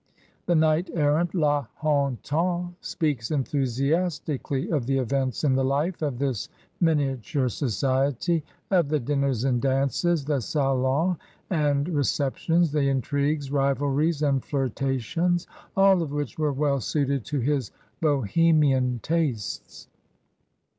The knight errant La Hontan speaks enthusiastically of the events in the life of this miniature society, of the dinners and dances, the salons and receptions, the intrigues, rivalries, and ffirtations, all of which were well suited to his Bohemian tastes.